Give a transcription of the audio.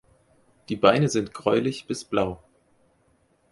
Die Beine sind gräulich bis blau.